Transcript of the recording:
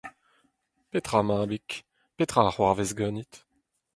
Petra, mabig, petra a c’hoarvez ganit ?